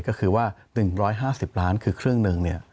ก็คือว่า๑๕๐ล้านคือเครื่องหนึ่ง